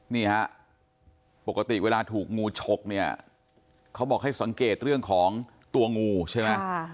นี่ฮะปกติเวลาถูกงูฉกเนี่ยเขาบอกให้สังเกตเรื่องของตัวงูใช่ไหม